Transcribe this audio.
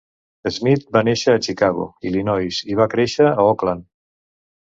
Smith va néixer a Chicago, Illinois i va créixer a Oakland.